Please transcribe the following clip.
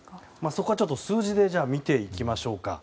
そこは数字で見ていきましょうか。